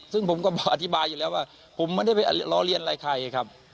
ซึ่งผมก็อธิบายอยู่แล้วว่าผมไม่ได้ไปล้อเลียนอะไรใครครับ